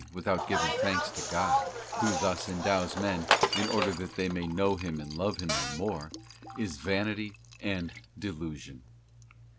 257 without giving thanks to God, who thus endows men in order that they may know Him and love Him the more, is vanity and delusion.